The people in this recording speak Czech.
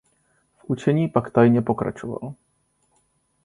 V učení pak tajně pokračoval.